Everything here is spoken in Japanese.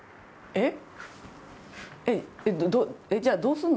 えっ？